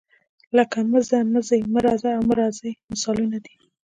لکه مه ځه، مه ځئ، مه راځه او مه راځئ مثالونه دي.